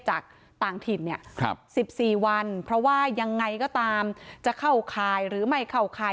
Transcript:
จากต่างถิ่นเนี่ย๑๔วันเพราะว่ายังไงก็ตามจะเข้าข่ายหรือไม่เข้าข่าย